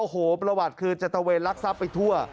โอ้โหประวัติคือจะตะเวนลักทรัพย์ไปทั่ว